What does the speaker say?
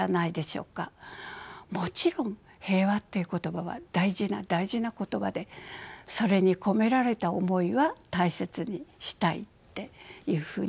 もちろん「平和」という言葉は大事な大事な言葉でそれに込められた思いは大切にしたいっていうふうには思っています。